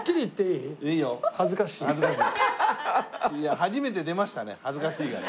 いや初めて出ましたね「恥ずかしい」がね。